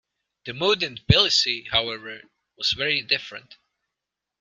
The mood in Tbilisi, however, was very different.